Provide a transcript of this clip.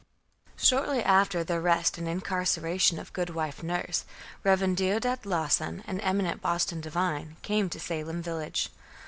Shortly after the arrest and incarceration of Goodwife Nurse, Reverend Deodat Lawson, an eminent Boston divine, came to Salem village.